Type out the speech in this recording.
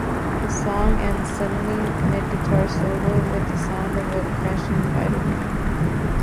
The song ends suddenly, mid-guitar-solo, with the sound of a crashing fighter plane.